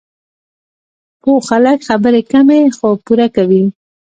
پوه خلک خبرې کمې، خو پوره کوي.